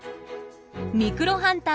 ミクロハンター